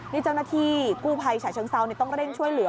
นี่เจ้าหน้าที่กู้ภัยฉะเชิงเซาต้องเร่งช่วยเหลือ